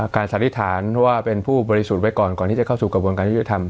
สันนิษฐานว่าเป็นผู้บริสุทธิ์ไว้ก่อนก่อนที่จะเข้าสู่กระบวนการยุทธิธรรม